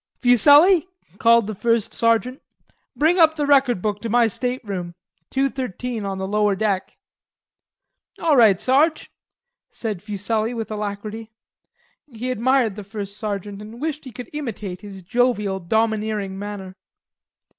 "Fuselli," said the first sergeant, "bring up the record book to my stateroom; 213 on the lower deck." "All right, Sarge," said Fuselli with alacrity. He admired the first sergeant and wished he could imitate his jovial, domineering manner.